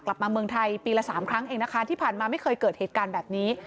กลับมาเมืองไทยปีละสามครั้งเองนะคะที่ผ่านมาไม่เคยเกิดเหตุการณ์แบบนี้